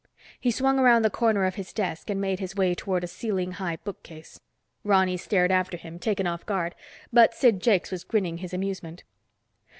He swung around the corner of his desk and made his way toward a ceiling high bookcase. Ronny stared after him, taken off guard, but Sid Jakes was grinning his amusement.